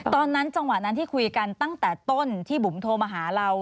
จังหวะนั้นที่คุยกันตั้งแต่ต้นที่บุ๋มโทรมาหาเรา